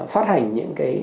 phát hành những